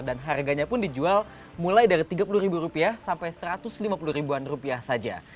dan harganya pun dijual mulai dari tiga puluh ribu rupiah sampai satu ratus lima puluh ribuan rupiah saja